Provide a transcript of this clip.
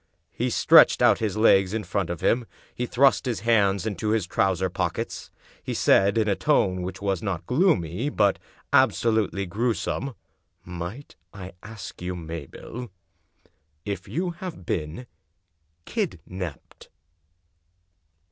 He stretched out his legs in front of him; he thrust his hands into his trousers pockets ; he said, in a tone which was not gloomy but ab solutely grewsome: " Might I ask, Mabel, if you have been kidnaped?